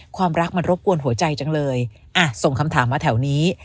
ความรักมันรบกวนหัวใจจังเลยอ่ะส่งคำถามมาแถวนี้